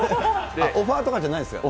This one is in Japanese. オファーとかじゃないんですか。